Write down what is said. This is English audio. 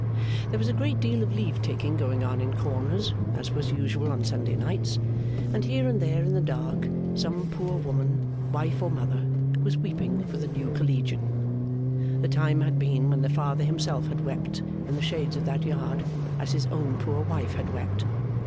There was a great deal of leave taking going on in corners, as was usual on Sunday nights; and here and there in the dark, some poor woman, wife or mother, was weeping with a new Collegian. The time had been when the Father himself had wept, in the shades of that yard, as his own poor wife had wept.